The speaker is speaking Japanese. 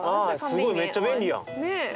すごいめっちゃ便利やん。